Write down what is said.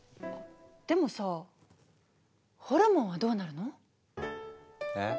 でもさホルモンはどうなるの？え？